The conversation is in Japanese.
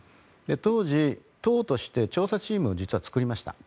当時、党として調査チームを実は、作りました。